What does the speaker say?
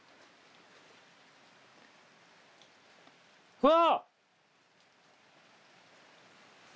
うわ！